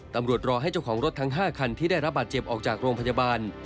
รอให้เจ้าของรถทั้ง๕คันที่ได้รับบาดเจ็บออกจากโรงพยาบาล